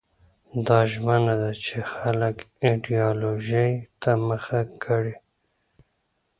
دا ژمنه ده چې خلک ایدیالوژۍ ته مخه کړي.